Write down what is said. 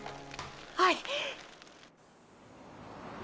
はい！